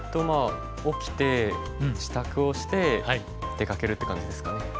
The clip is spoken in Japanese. まあ起きて支度をして出かけるって感じですかね。